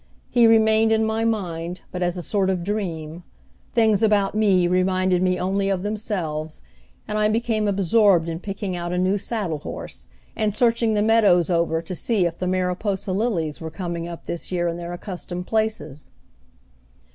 He remained in my mind but as a sort of dream; things about me reminded me only of themselves, and I became absorbed in picking out a new saddle horse, and searching the meadows over to see if the Mariposa lilies were coming up this year in their accustomed places.